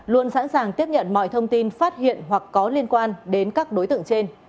luôn sẵn sàng tiếp nhận mọi thông tin phát hiện hoặc có liên quan đến các đối tượng trên